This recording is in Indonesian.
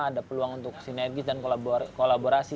ada peluang untuk sinergis dan kolaborasi